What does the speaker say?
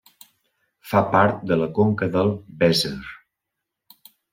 Fa part de la conca del Weser.